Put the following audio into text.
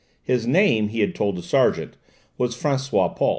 His name, he had told the sergeant, was François Paul.